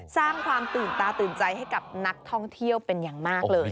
สร้างความตื่นตาตื่นใจให้กับนักท่องเที่ยวเป็นอย่างมากเลย